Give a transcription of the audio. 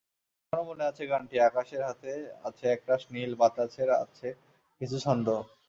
এখনো মনে আছে গানটি—আকাশের হাতে আছে একরাশ নীল, বাতাসের আছে কিছু ছন্দ।